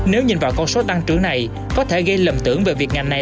nếu nhìn vào con số tăng trưởng này có thể gây lầm tưởng về việc ngành này